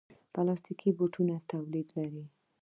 د پلاستیکي بوټانو تولید لرو؟